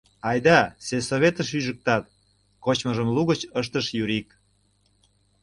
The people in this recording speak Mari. — Айда, сельсоветыш ӱжыктат, — кочмыжым лугыч ыштыш Юрик.